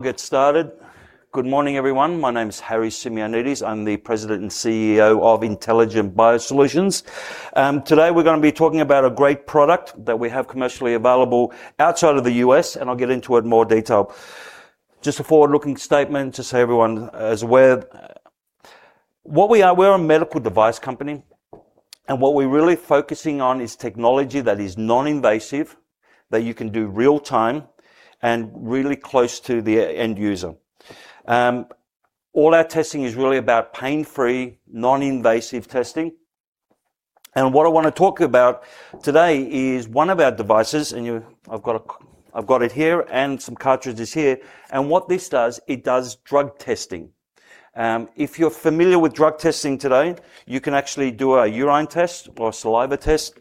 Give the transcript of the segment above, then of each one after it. Get started. Good morning, everyone. My name's Harry Simeonidis. I'm the President and CEO of Intelligent Bio Solutions. Today, we're going to be talking about a great product that we have commercially available outside of the U.S., I'll get into it in more detail. Just a forward-looking statement, just so everyone is aware. What we are, we're a medical device company, what we're really focusing on is technology that is non-invasive, that you can do real-time, and really close to the end user. All our testing is really about pain-fr ee, non-invasive testing. What I want to talk about today is one of our devices, I've got it here, and some cartridges here. What this does, it does drug testing. If you're familiar with drug testing today, you can actually do a urine test or a saliva test.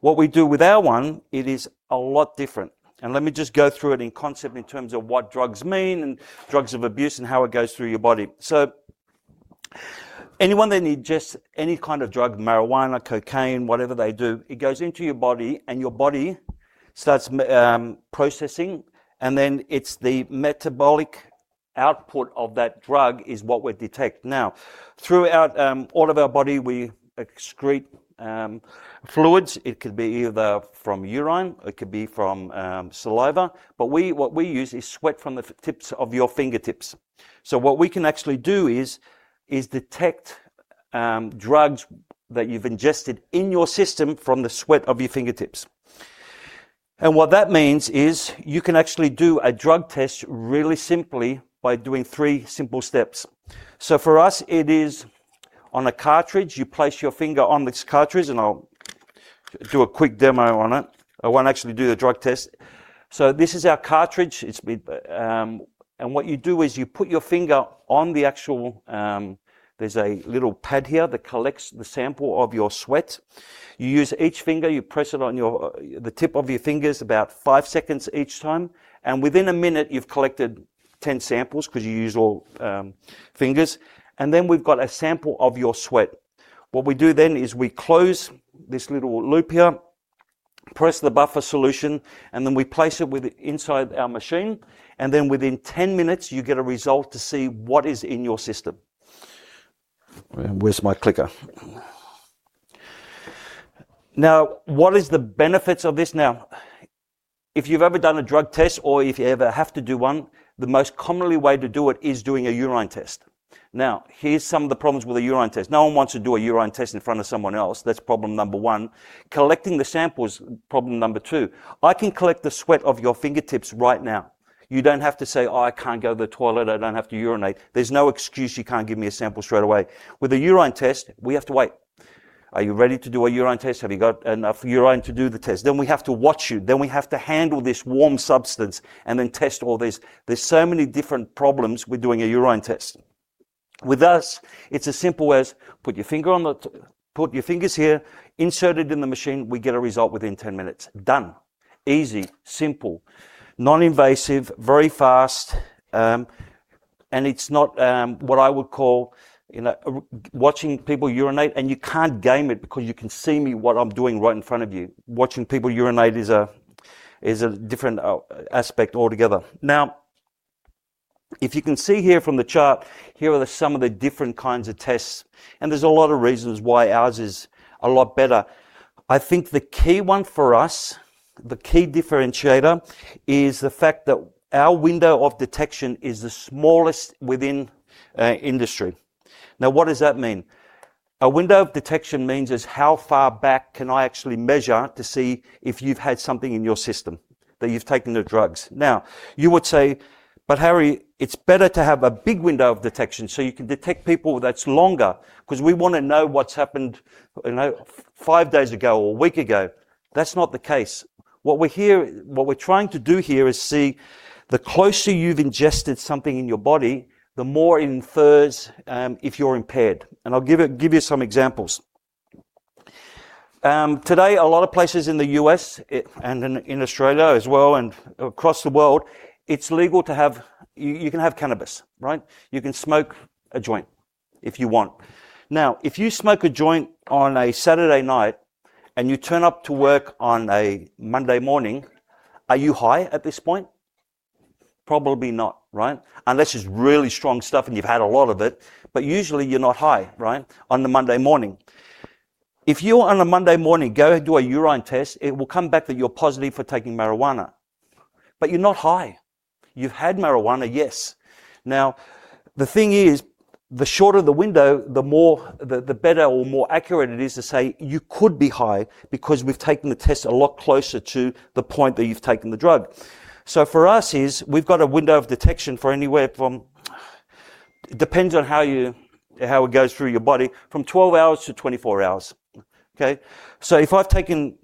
What we do with our one, it is a lot different. Let me just go through it in concept in terms of what drugs mean and drugs of abuse and how it goes through your body. Anyone that ingests any kind of drug, marijuana, cocaine, whatever they do, it goes into your body, and your body starts processing, then it's the metabolic output of that drug is what we detect. Throughout all of our body, we excrete fluids. It could be either from urine, it could be from saliva. What we use is sweat from the tips of your fingertips. What we can actually do is detect drugs that you've ingested in your system from the sweat of your fingertips. What that means is you can actually do a drug test really simply by doing three simple steps. For us, it is on a cartridge. You place your finger on this cartridge, I'll do a quick demo on it. I won't actually do the drug test. This is our cartridge. What you do is you put your finger on the actual There's a little pad here that collects the sample of your sweat. You use each finger. You press it on the tip of your fingers about five seconds each time. Within a minute, you've collected 10 samples because you use all fingers. We've got a sample of your sweat. What we do then is we close this little loop here, press the buffer solution, then we place it inside our machine. Within 10 minutes, you get a result to see what is in your system. Where's my clicker? What is the benefits of this? If you've ever done a drug test or if you ever have to do one, the most commonly way to do it is doing a urine test. Here's some of the problems with a urine test. No one wants to do a urine test in front of someone else. That's problem number one. Collecting the sample is problem number two. I can collect the sweat of your fingertips right now. You don't have to say, "Oh, I can't go to the toilet. I don't have to urinate." There's no excuse you can't give me a sample straight away. With a urine test, we have to wait. "Are you ready to do a urine test? Have you got enough urine to do the test?" We have to watch you. We have to handle this warm substance and then test all this. There's so many different problems with doing a urine test. With us, it's as simple as put your fingers here, insert it in the machine, we get a result within 10 minutes. Done. Easy, simple, non-invasive, very fast. It's not what I would call watching people urinate. You can't game it because you can see me, what I'm doing right in front of you. Watching people urinate is a different aspect altogether. If you can see here from the chart, here are some of the different kinds of tests. There's a lot of reasons why ours is a lot better. I think the key one for us, the key differentiator, is the fact that our window of detection is the smallest within industry. What does that mean? A window of detection means is how far back can I actually measure to see if you've had something in your system, that you've taken the drugs. You would say, "Harry, it's better to have a big window of detection so you can detect people that's longer because we want to know what's happened five days ago or a week ago." That's not the case. What we're trying to do here is see the closer you've ingested something in your body, the more it infers if you're impaired. I'll give you some examples. Today, a lot of places in the U.S., and in Australia as well and across the world, You can have cannabis, right? You can smoke a joint if you want. If you smoke a joint on a Saturday night and you turn up to work on a Monday morning, are you high at this point? Probably not, right? Unless it's really strong stuff and you've had a lot of it. Usually you're not high, right, on the Monday morning. If you on a Monday morning go do a urine test, it will come back that you're positive for taking marijuana, but you're not high. You've had marijuana, yes. The thing is, the shorter the window, the better or more accurate it is to say you could be high because we've taken the test a lot closer to the point that you've taken the drug. For us is we've got a window of detection for anywhere from, depends on how it goes through your body, from 12 hours to 24 hours. Okay? If I've taken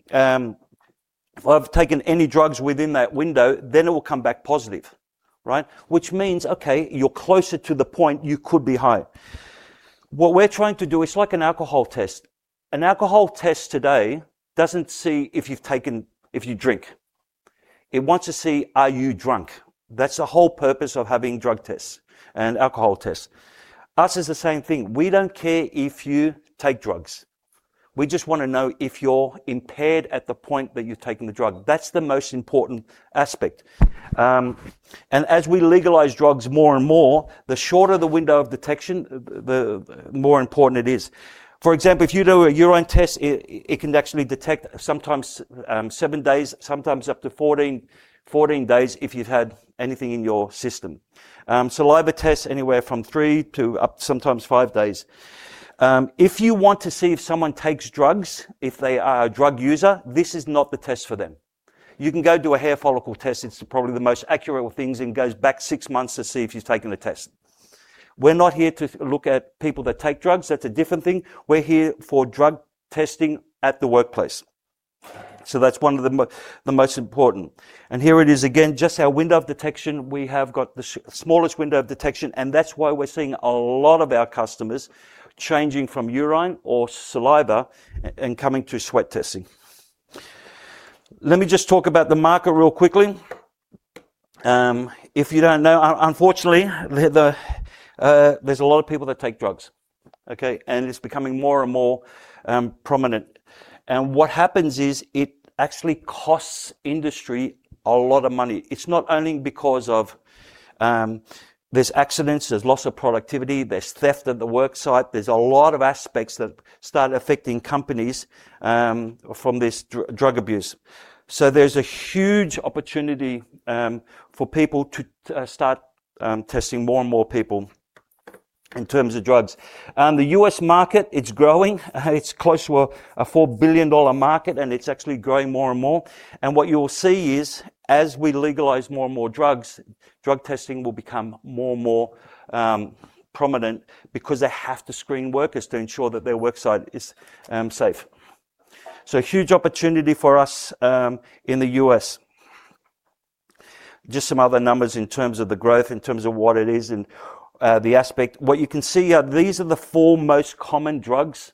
any drugs within that window, it will come back positive. Right? Which means, okay, you're closer to the point you could be high. What we're trying to do, it's like an alcohol test. An alcohol test today doesn't see if you drink. It wants to see, are you drunk? That's the whole purpose of having drug tests and alcohol tests. Us, it's the same thing. We don't care if you take drugs. We just want to know if you're impaired at the point that you're taking the drug. That's the most important aspect. As we legalize drugs more and more, the shorter the window of detection, the more important it is. For example, if you do a urine test, it can actually detect sometimes seven days, sometimes up to 14 days if you've had anything in your system. Saliva tests, anywhere from three to up to sometimes five days. If you want to see if someone takes drugs, if they are a drug user, this is not the test for them. You can go do a hair follicle test. It's probably the most accurate of things and goes back six months to see if he's taken the test. We're not here to look at people that take drugs. That's a different thing. We're here for drug testing at the workplace. That's one of the most important. Here it is again, just our window of detection. We have got the smallest window of detection, and that's why we're seeing a lot of our customers changing from urine or saliva and coming to sweat testing. Let me just talk about the market real quickly. If you don't know, unfortunately, there's a lot of people that take drugs, okay? It's becoming more and more prominent. What happens is it actually costs industry a lot of money. It's not only because of, there's accidents, there's loss of productivity. There's theft at the work site. There's a lot of aspects that start affecting companies from this drug abuse. There's a huge opportunity for people to start testing more and more people in terms of drugs. The U.S. market, it's growing. It's close to a $4 billion market, and it's actually growing more and more. What you'll see is as we legalize more and more drugs, drug testing will become more and more prominent because they have to screen workers to ensure that their work site is safe. A huge opportunity for us in the U.S. Just some other numbers in terms of the growth, in terms of what it is and the aspect. What you can see are these are the four most common drugs.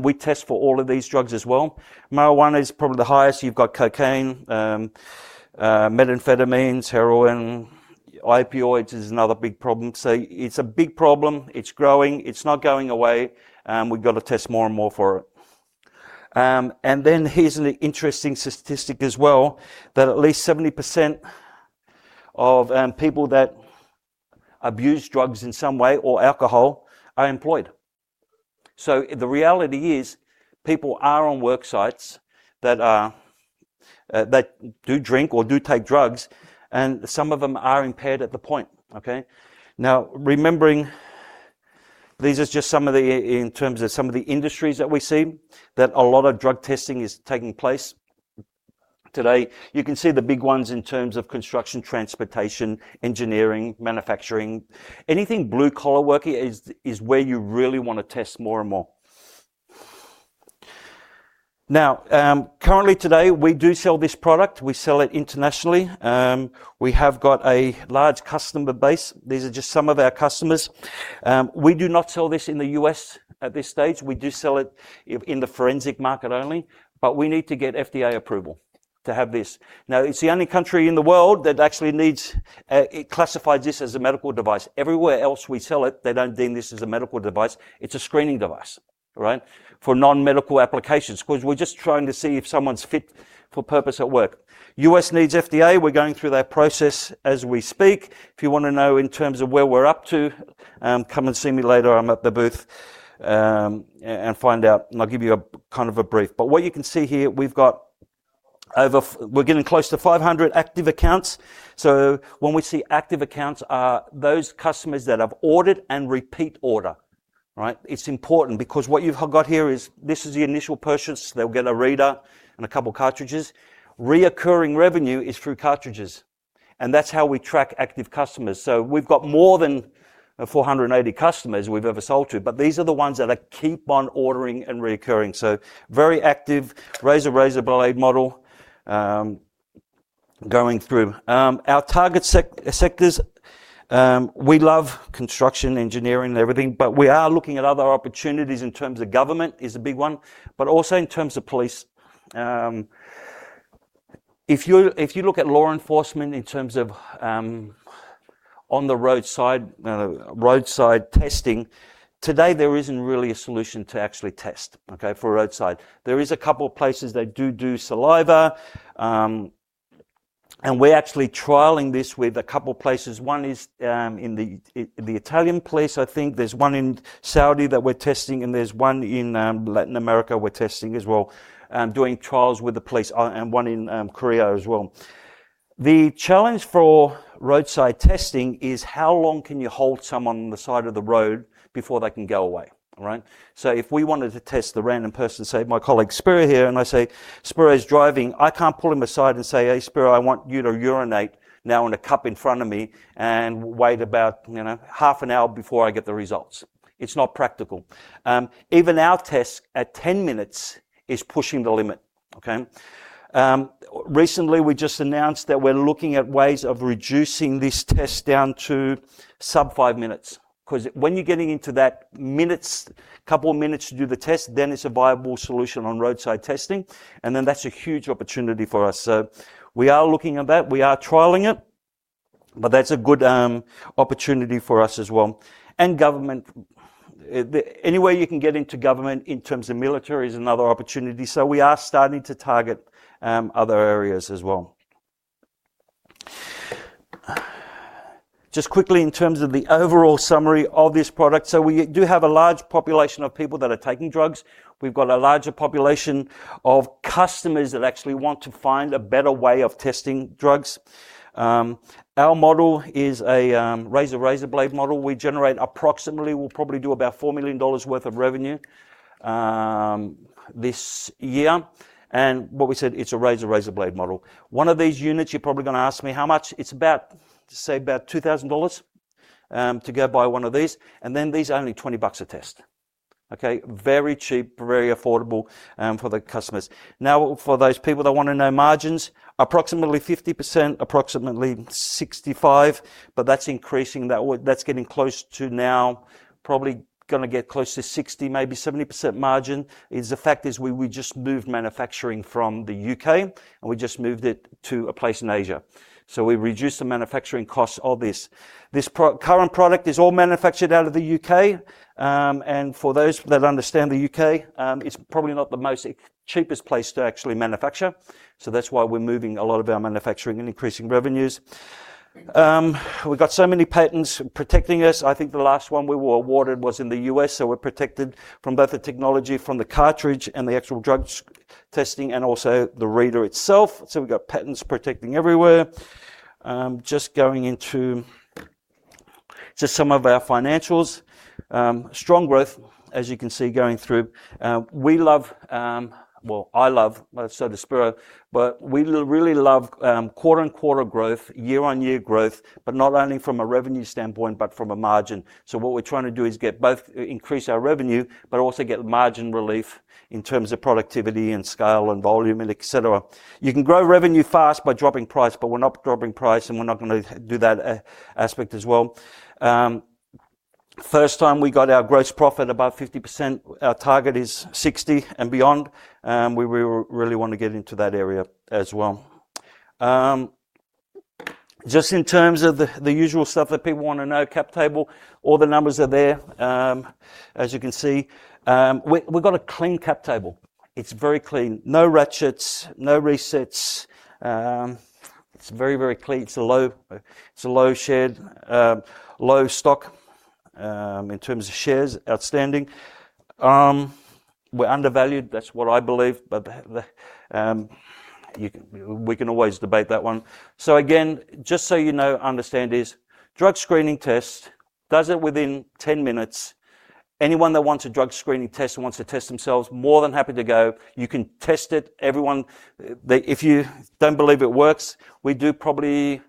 We test for all of these drugs as well. Marijuana is probably the highest. You've got cocaine, methamphetamines, heroin. Opioids is another big problem. It's a big problem. It's growing. It's not going away, and we've got to test more and more for it. Here's an interesting statistic as well, that at least 70% of people that abuse drugs in some way, or alcohol, are employed. The reality is people are on work sites that do drink or do take drugs, and some of them are impaired at the point. Okay? Remembering, these are just some of the, in terms of some of the industries that we see that a lot of drug testing is taking place today. You can see the big ones in terms of construction, transportation, engineering, manufacturing. Anything blue-collar working is where you really want to test more and more. Currently today, we do sell this product. We sell it internationally. We have got a large customer base. These are just some of our customers. We do not sell this in the U.S. at this stage. We do sell it in the forensic market only. We need to get FDA approval to have this. It classifies this as a medical device. Everywhere else we sell it, they don't deem this as a medical device. It's a screening device, right, for non-medical applications. Because we're just trying to see if someone's fit for purpose at work. U.S. needs FDA. We're going through that process as we speak. If you want to know in terms of where we're up to, come and see me later, I'm at the booth, and find out, and I'll give you a kind of a brief. What you can see here, we're getting close to 500 active accounts. When we see active accounts are those customers that have ordered and repeat order. Right? It's important because what you've got here is this is the initial purchase. They'll get a reader and a couple cartridges. Recurring revenue is through cartridges, and that's how we track active customers. We've got more than 480 customers we've ever sold to, but these are the ones that keep ordering and recurring. Very active. Razor blade model, going through. Our target sectors, we love construction, engineering, and everything, we are looking at other opportunities in terms of government is a big one, but also in terms of police. If you look at law enforcement in terms of on-the-roadside testing, today, there isn't really a solution to actually test, okay, for roadside. There is a couple of places that do saliva. We're actually trialing this with a couple places. One is in the Italian police, I think. There's one in Saudi that we're testing, and there's one in Latin America we're testing as well, doing trials with the police, and one in Korea as well. The challenge for roadside testing is how long can you hold someone on the side of the road before they can go away, right? If we wanted to test the random person, say my colleague Spur here, and I say, "Spur is driving," I can't pull him aside and say, "Hey, Spur, I want you to urinate now in a cup in front of me" and wait about half an hour before I get the results. It's not practical. Even our test at 10 minutes is pushing the limit. Okay? Recently, we just announced that we're looking at ways of reducing this test down to sub five minutes. When you're getting into that couple of minutes to do the test, then it's a viable solution on roadside testing. That's a huge opportunity for us. We are looking at that. We are trialing it. That's a good opportunity for us as well. Government. Any way you can get into government in terms of military is another opportunity. We are starting to target other areas as well. Just quickly, in terms of the overall summary of this product, we do have a large population of people that are taking drugs. We've got a larger population of customers that actually want to find a better way of testing drugs. Our model is a razor-blade model. We generate approximately, we'll probably do about $4 million worth of revenue this year. What we said, it's a razor-blade model. One of these units, you're probably going to ask me how much. It's about, say, about $2,000 to go buy one of these, and then these are only $20 a test. Okay? Very cheap, very affordable for the customers. Now, for those people that want to know margins, approximately 50%, approximately 65%, that's increasing. That's getting close to now probably going to get close to 60%, maybe 70% margin, is the fact is we just moved manufacturing from the U.K., and we just moved it to a place in Asia. We reduced the manufacturing cost of this. This current product is all manufactured out of the U.K. For those that understand the U.K., it's probably not the most cheapest place to actually manufacture. That's why we're moving a lot of our manufacturing and increasing revenues. We've got so many patents protecting us. I think the last one we were awarded was in the U.S., so we're protected from both the technology from the cartridge and the actual drugs testing and also the reader itself. We've got patents protecting everywhere. Just going into just some of our financials. Strong growth, as you can see, going through. We love, well, I love, so does Spiro, but we really love quarter-on-quarter growth, year-on-year growth, but not only from a revenue standpoint, but from a margin. What we're trying to do is get both, increase our revenue, but also get margin relief in terms of productivity and scale and volume, and et cetera. You can grow revenue fast by dropping price, but we're not dropping price, and we're not going to do that aspect as well. First time we got our gross profit above 50%. Our target is 60% and beyond. We really want to get into that area as well. Just in terms of the usual stuff that people want to know, cap table, all the numbers are there. As you can see, we've got a clean cap table. It's very clean. No ratchets, no resets. It's very, very clean. It's a low shared, low stock, in terms of shares outstanding. We're undervalued. That's what I believe, but we can always debate that one. Again, just so you know, understand this, drug screening test does it within 10 minutes. Anyone that wants a drug screening test and wants to test themselves, more than happy to go. You can test it. If you don't believe it works, we do probably,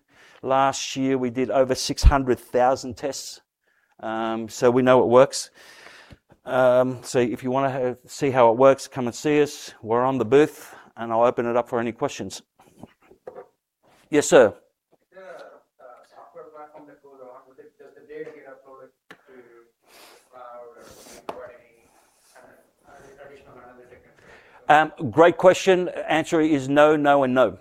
last year, we did over 600,000 tests, so we know it works. If you want to see how it works, come and see us. We're on the booth, and I'll open it up for any questions. Yes, sir. Is there a software platform that goes along with it? Does the data get uploaded to cloud or any kind of additional analytics? Great question. Answer is no, no.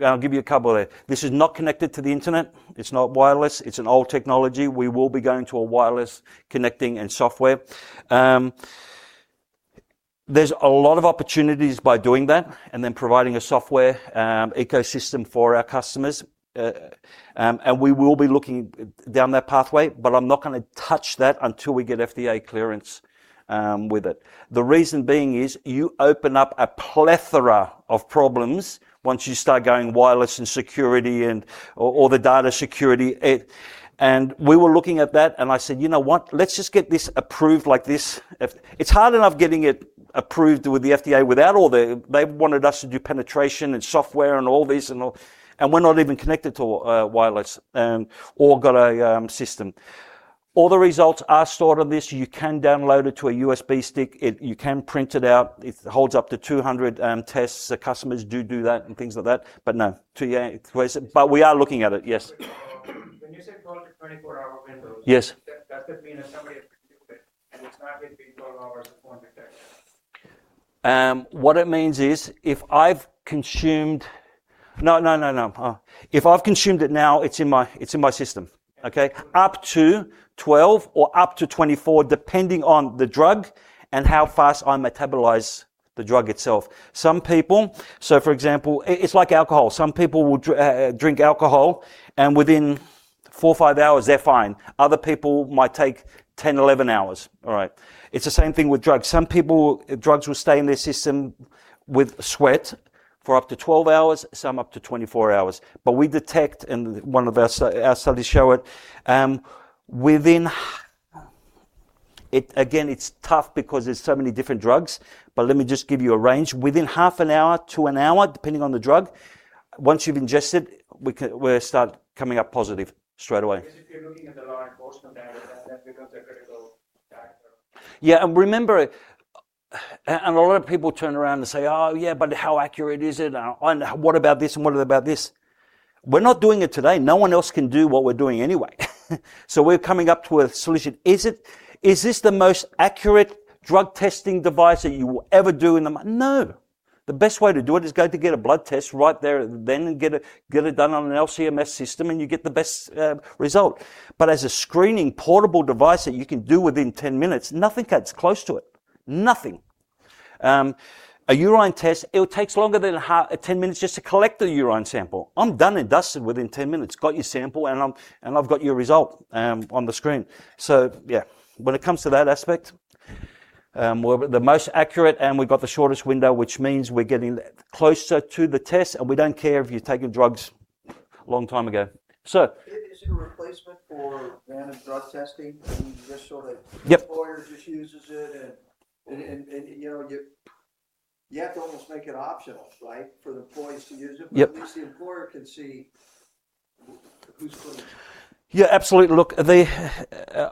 I'll give you a couple there. This is not connected to the internet. It's not wireless. It's an old technology. We will be going to a wireless connecting and software. There's a lot of opportunities by doing that and then providing a software ecosystem for our customers. We will be looking down that pathway, but I'm not going to touch that until we get FDA clearance with it. The reason being is you open up a plethora of problems once you start going wireless and security or the data security. We were looking at that and I said, "You know what? Let's just get this approved like this." It's hard enough getting it approved with the FDA. They wanted us to do penetration and software and all this. We're not even connected to wireless, or got a system. All the results are stored on this. You can download it to a USB stick. You can print it out. It holds up to 200 tests. The customers do that and things like that. No, to your. We are looking at it. Yes. When you say 12 to 24-hour window? Yes Does that mean that somebody has consumed it's not going to be 12 hours before it detects it? If I've consumed it now, it's in my system. Okay. Up to 12 or up to 24, depending on the drug and how fast I metabolize the drug itself. Some people, so for example, it's like alcohol. Some people will drink alcohol, and within four or five hours, they're fine. Other people might take 10, 11 hours. All right. It's the same thing with drugs. Some people, drugs will stay in their system with sweat for up to 12 hours, some up to 24 hours. We detect, and one of our studies show it. Again, it's tough because there's so many different drugs, but let me just give you a range. Within half an hour to an hour, depending on the drug, once you've ingested, will start coming up positive straight away. If you're looking at the law enforcement angle, that becomes a critical factor. Remember, a lot of people turn around and say, "Oh yeah, but how accurate is it? What about this, and what about this?" We're not doing it today. No one else can do what we're doing anyway. We're coming up to a solution. Is this the most accurate drug testing device that you will ever do in the? No. The best way to do it is go to get a blood test right there and then, and get it done on an LC-MS system, and you get the best result. As a screening portable device that you can do within 10 minutes, nothing comes close to it. Nothing. A urine test, it takes longer than 10 minutes just to collect the urine sample. I'm done and dusted within 10 minutes. Got your sample and I've got your result on the screen. Yeah. When it comes to that aspect, we're the most accurate and we've got the shortest window, which means we're getting closer to the test, and we don't care if you're taking drugs long time ago. Sir? Is it a replacement for random drug testing? Yep. I mean, just so the employer just uses it and you have to almost make it optional, right? For the employees to use it. Yep. At least the employer can see who's clean. Yeah, absolutely. Look, a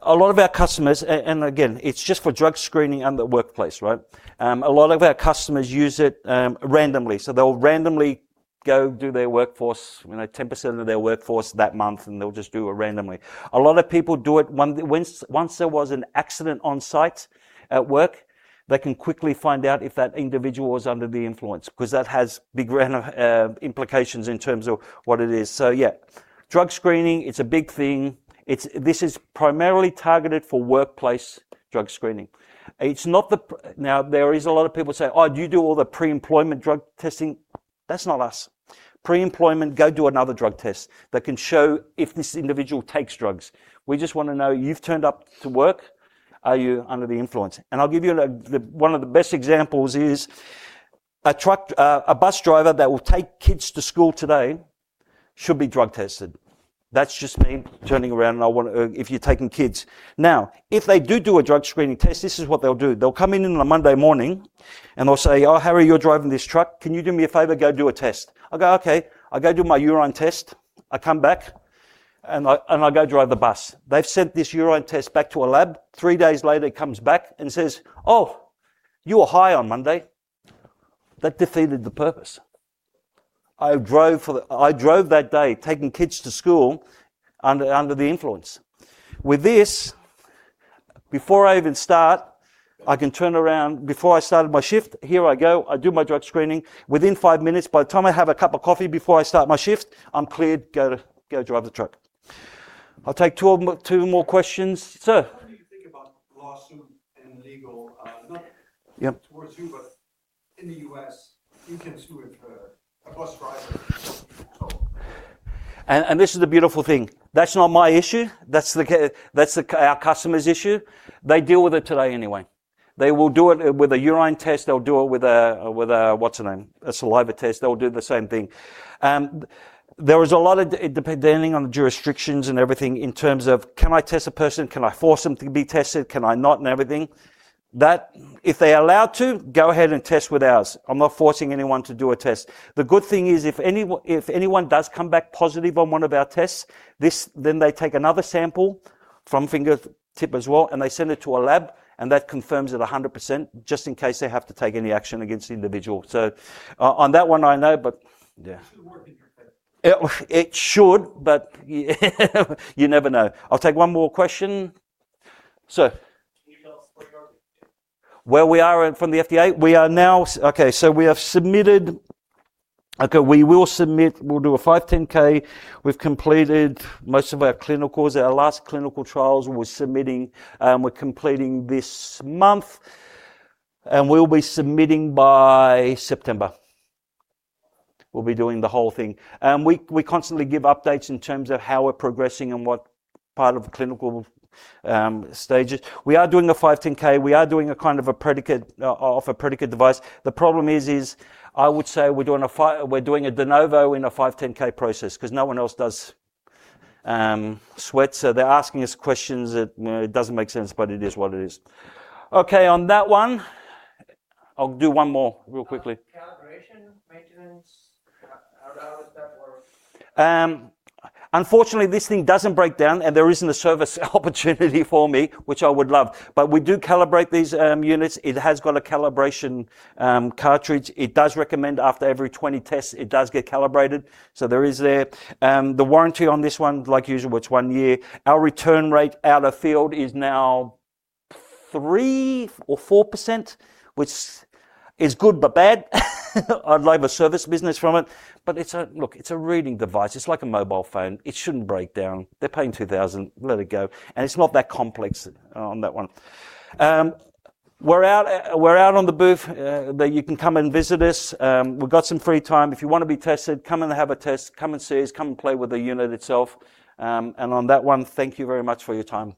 lot of our customers, and again, it's just for drug screening in the workplace, right? A lot of our customers use it randomly. They'll randomly go do their workforce, 10% of their workforce that month, and they'll just do it randomly. A lot of people do it, once there was an accident on site at work, they can quickly find out if that individual was under the influence, because that has bigger implications in terms of what it is. Yeah. Drug screening, it's a big thing. This is primarily targeted for workplace drug screening. There is a lot of people say, "Oh, do you do all the pre-employment drug testing?" That's not us. Pre-employment, go do another drug test that can show if this individual takes drugs. We just want to know you've turned up to work, are you under the influence? I'll give you one of the best examples is a bus driver that will take kids to school today should be drug tested. That's just me turning around and if you're taking kids. Now, if they do a drug screening test, this is what they'll do. They'll come in on a Monday morning and they'll say, "Oh, Harry, you're driving this truck. Can you do me a favor? Go do a test." I'll go, "Okay." I go do my urine test, I come back, and I go drive the bus. They've sent this urine test back to a lab. Three days later it comes back and says, "Oh, you were high on Monday." That defeated the purpose. I drove that day taking kids to school under the influence. With this, before I even start, I can turn around, before I started my shift, here I go. I do my drug screening. Within five minutes, by the time I have a cup of coffee before I start my shift, I'm cleared, go drive the truck. I'll take two more questions. Sir? What do you think about lawsuit and legal- Yep Not towards you, but in the U.S., you can sue a bus driver. This is the beautiful thing. That's not my issue. That's our customer's issue. They deal with it today anyway. They will do it with a urine test. They'll do it with a saliva test. They'll do the same thing. There is a lot of, depending on the jurisdictions and everything, in terms of can I test a person? Can I force them to be tested? Can I not, and everything? If they're allowed to, go ahead and test with ours. I'm not forcing anyone to do a test. The good thing is, if anyone does come back positive on one of our tests, then they take another sample from fingertip as well, and they send it to a lab, and that confirms it 100%, just in case they have to take any action against the individual. On that one, I know, but yeah. It should work in your favor. It should, you never know. I'll take one more question. Sir? Can you tell us where you are with the FDA? We will submit, we'll do a 510(k). We've completed most of our clinicals. Our last clinical trials we're completing this month, and we'll be submitting by September. We'll be doing the whole thing. We constantly give updates in terms of how we're progressing and what part of the clinical stages. We are doing a 510(k). We are doing a kind of off a predicate device. The problem is, I would say we're doing a De Novo in a 510(k) process because no one else does sweat. They're asking us questions that it doesn't make sense, but it is what it is. On that one, I'll do one more real quickly. Calibration, maintenance, how does that work? Unfortunately, this thing doesn't break down and there isn't a service opportunity for me, which I would love. We do calibrate these units. It has got a calibration cartridge. It does recommend after every 20 tests, it does get calibrated. There is that. The warranty on this one, like usual, it's one year. Our return rate out of field is now 3% or 4%, which is good but bad. I'd love a service business from it, but look, it's a reading device. It's like a mobile phone. It shouldn't break down. They're paying $2,000. Let it go. It's not that complex on that one. We're out on the booth. You can come and visit us. We've got some free time. If you want to be tested, come and have a test. Come and see us. Come and play with the unit itself. On that one, thank you very much for your time.